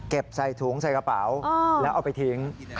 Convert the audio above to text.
ใส่ถุงใส่กระเป๋าแล้วเอาไปทิ้ง